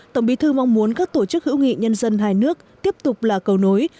tổng bí thư mong muốn các tổ chức hữu nghị nhân dân hai nước tiếp tục là cầu nối